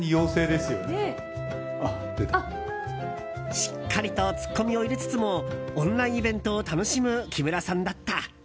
しっかりと突っ込みを入れつつもオンラインイベントを楽しむ木村さんだった。